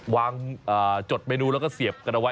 วางจดเมนูแล้วก็เสียบกระดาษไว้